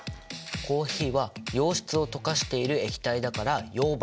コーヒーは溶質を溶かしている液体だから溶媒。